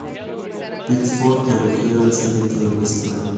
Pitchfork elogió el lanzamiento de "Mr.